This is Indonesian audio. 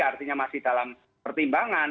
artinya masih dalam pertimbangan